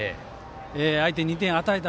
相手に２点与えた